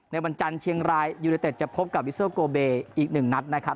วันจันทร์เชียงรายยูเนเต็ดจะพบกับวิโซโกเบย์อีกหนึ่งนัดนะครับ